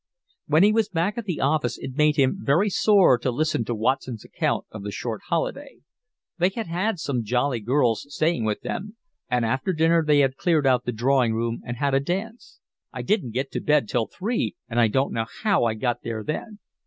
When he was back at the office it made him very sore to listen to Watson's account of the short holiday. They had had some jolly girls staying with them, and after dinner they had cleared out the drawing room and had a dance. "I didn't get to bed till three and I don't know how I got there then.